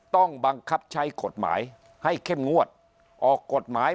ต้องบังคับใช้กฎหมายให้เข้มงวดออกกฎหมาย